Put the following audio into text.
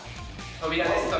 扉です、扉。